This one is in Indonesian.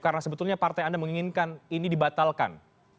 karena sebetulnya partai anda menginginkan ini dibatalkan